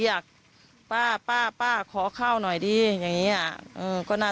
นี่ตามข้างล่างนี่ครับ